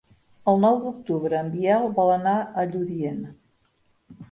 El nou d'octubre en Biel vol anar a Lludient.